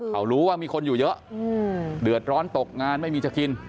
เขารู้ว่ามีคนอยู่เยอะเดือดร้อนตกงานไม่มีจะกิน